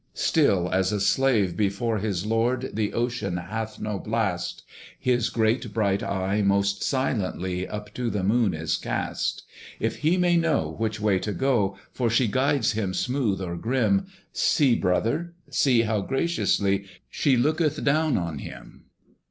Still as a slave before his lord, The OCEAN hath no blast; His great bright eye most silently Up to the Moon is cast If he may know which way to go; For she guides him smooth or grim See, brother, see! how graciously She looketh down on him.